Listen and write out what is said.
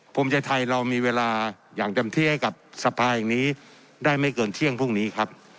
พรุ่งใจไทยเรามีเวลาอย่างจำเทียกับสภาอย่างนี้ได้ไม่เกินเที่ยงพรุ่งนี้ครับ